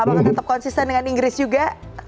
apakah tetap konsisten dengan inggris juga